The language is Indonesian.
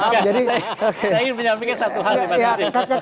saya ingin menyampaikan satu hal